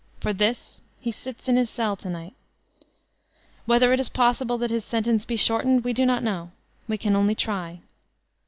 For this he sits in his cell to night. Whether it is possible that his sentence be shortened, we do not know. We can only try.